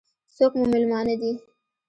څوک مو مېلمانه دي؟